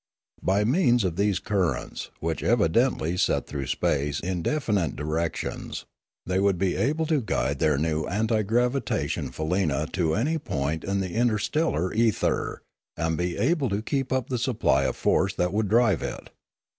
By means of these currents, which evidently set through space in definite directions, they would be able to guide their new anti gravitation faleena to any point in the interstellar ether, and be able to keep up the supply of force that would drive it.